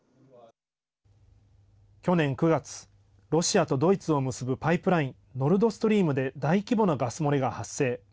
去年９月、ロシアとドイツを結ぶパイプラインノルドストリームで大規模なガス漏れが発生。